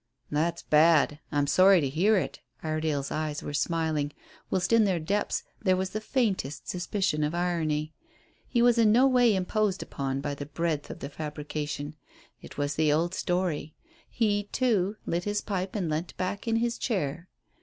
"That's bad; I'm sorry to hear it." Iredale's eyes were smiling, whilst in their depths there was the faintest suspicion of irony. He was in no way imposed upon by the breadth of the fabrication. It was the old story. He, too, lit his pipe and leant back in his chair.